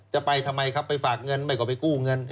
จะไปทำไมครับไปฝากเงินไม่ก็ไปกู้เงิน